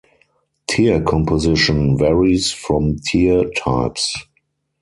Tear composition varies from tear types.